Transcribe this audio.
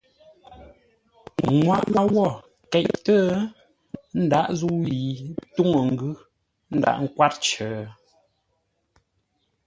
Nŋwaʼa wó keʼtə́ ndǎghʼ zə̂u yi túŋə́ ngʉ́ ndǎghʼ kwár cər.